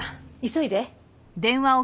急いで。